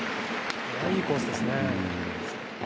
いいコースですね。